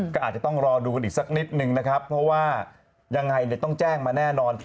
ก็อาจจะต้องรอดูกันอีกสักนิดนึงนะครับเพราะว่ายังไงต้องแจ้งมาแน่นอน